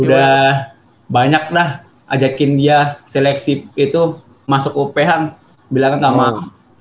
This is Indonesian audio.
udah banyak dah ajakin dia seleksi itu masuk uphan bilang kan gak mau